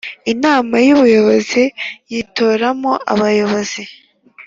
Inama y ubuyobozi yitoramo abayobozi